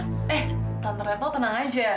eh tante apple tenang aja